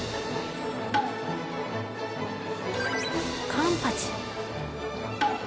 カンパチ。